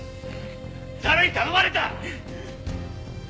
誰に頼まれた！？